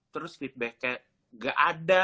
terus feedbacknya gak ada